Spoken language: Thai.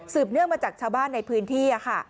เนื่องมาจากชาวบ้านในพื้นที่ค่ะ